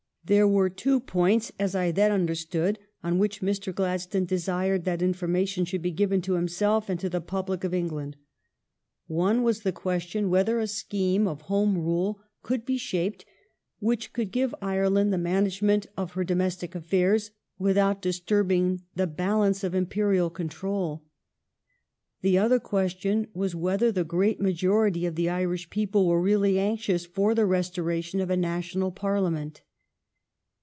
There were two points, as I then understood, on which Mr. Gladstone desired that information should be given to himself and to the public of England. One was the question whether a scheme 36o THE STORY OF GLADSTONE'S LIFE of Home Rule could be shaped which could give Ireland the management of her domestic affairs without disturbing the balance of Imperial con trol. The other question was whether the great majority of the Irish people were really anxious for the restoration of a National Parliament.